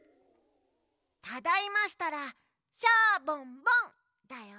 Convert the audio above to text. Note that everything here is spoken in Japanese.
ただいましたら「シャボンボン」だよ。